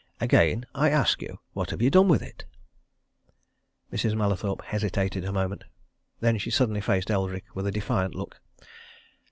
Again I ask you what have you done with it?" Mrs. Mallathorpe hesitated a moment. Then she suddenly faced Eldrick with a defiant look.